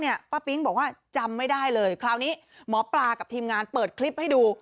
ป้าปิ๊งบอกว่าจำไม่ได้เลยคราวนี้หมอปลากับทีมงานเปิดคลิปให้ดู